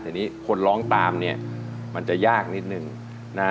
แต่นี่คนร้องตามนี่มันจะยากนิดหนึ่งนะ